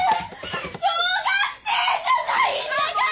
小学生じゃないんだから！